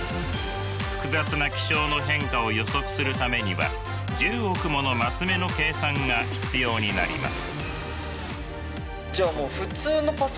複雑な気象の変化を予測するためには１０億もの升目の計算が必要になります。